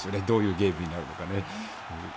どういうゲームになるのかね。